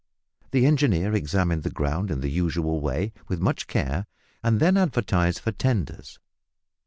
The engineer examined the ground in the usual way, with much care, and then advertised for "tenders."